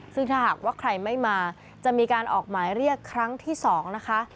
ซึ่งถ้าหากว่าใครไม่มาจะมีการออกหมายเรียกครั้งที่๒นะคะ